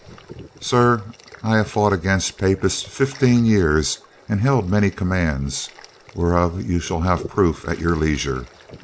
"Sir, I have fought against Papists fifteen years and held many commands, whereof you shall have proof at your leisure.